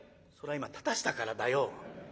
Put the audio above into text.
「それは今立たしたからだよ」。